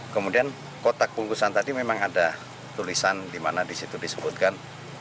kemudian kotak bungkusan tadi memang ada tulisan di mana di situ disebutkan